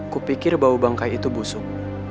kupikir bau bangkai itu busuk